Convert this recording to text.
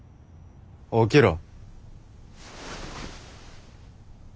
起きろ。